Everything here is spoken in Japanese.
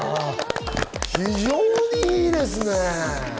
非常にいいですね！